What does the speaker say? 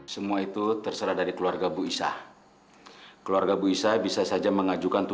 sampai jumpa di video selanjutnya